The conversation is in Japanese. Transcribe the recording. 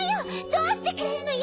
どうしてくれるのよ！